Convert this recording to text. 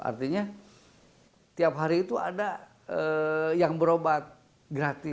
artinya tiap hari itu ada yang berobat gratis